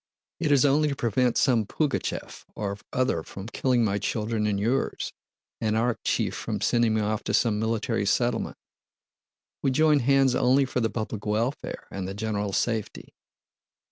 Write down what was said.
It is only to prevent some Pugachëv or other from killing my children and yours, and Arakchéev from sending me off to some Military Settlement. We join hands only for the public welfare and the general safety."